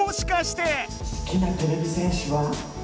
好きなてれび戦士は？